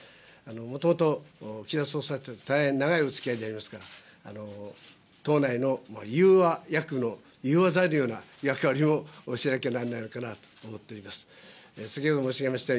もともと、岸田総裁とは大変長いおつきあいでありますので、党内の融和役の、融和材のような役割をしなければならないと思っております。